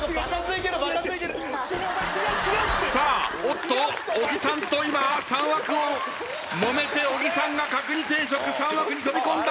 さあおっと小木さんと今３枠をもめて小木さんが角煮定食３枠に飛び込んだ。